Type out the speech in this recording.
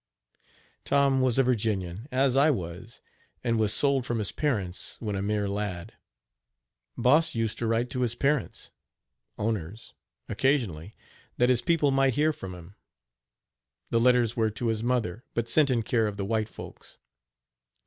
" Tom was a Virginian, as I was, and was sold from his parents when a mere lad. Boss used to write to his parents (owners) occasionally, that his people might hear from him. The letters were to his mother, but sent in care of the white folks.